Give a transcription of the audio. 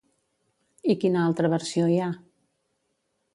I quina altra versió hi ha?